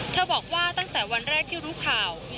บอกว่าตั้งแต่วันแรกที่รู้ข่าว